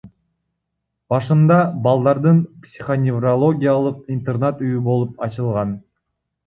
Башында балдардын психоневрологиялык интернат үйү болуп ачылган.